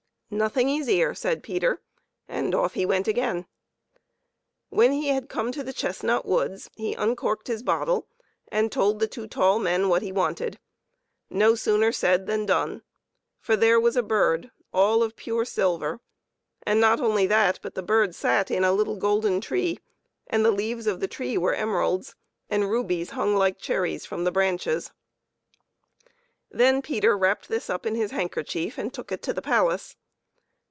" Nothing easier," said Peter, and off he went again. CLEVER PETER AND THE TWO BOTTLES. 51 When he had come to the chestnut woods, he uncorked his bottle and told the two tall men what he wanted. No sooner said than done ; for there was a bird all of pure silver. And not only that, but the bird sat in a little golden tree, and the leaves of the tree were emeralds, and rubies hung like cherries from the branches. Then Peter wrapped this up in his handkerchief and took it to the palace.